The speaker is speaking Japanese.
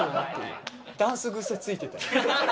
ダンス癖ついてて。